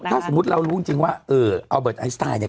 ถ้าสมมุติเรารู้จริงว่าอัลเบิร์ตไอสไตล์เนี่ย